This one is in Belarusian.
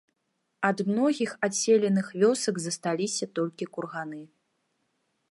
Ад многіх адселеных вёсак засталіся толькі курганы.